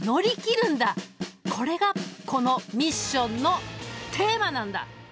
これがこのミッションのテーマなんだ。